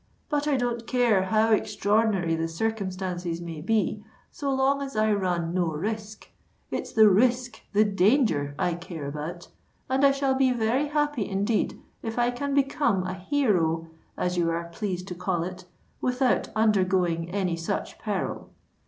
"But I don't care how extraordinary the circumstances may be, so long as I run no risk. It's the risk—the danger I care about; and I shall be very happy indeed, if I can become a hero—as you are pleased to call it—without undergoing any such peril."